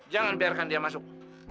jangan biarkan dia masuk